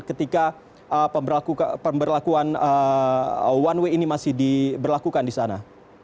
ketika pemberlakuan one way ini masih diberlakukan di sana